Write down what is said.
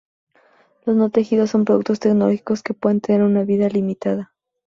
Los no tejidos son productos tecnológicos que pueden tener una vida limitada.